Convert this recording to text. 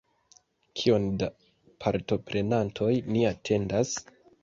Kion da partoprenantoj ni atendas?